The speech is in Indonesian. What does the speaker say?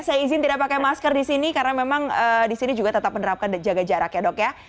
saya izin tidak pakai masker di sini karena memang di sini juga tetap menerapkan jaga jarak ya dok ya